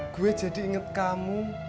gue jadi inget kamu